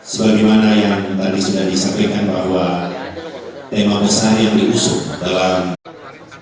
sebagaimana yang tadi sudah disampaikan bahwa tema besar yang diusung dalam